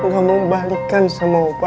gak mau balikan sama upah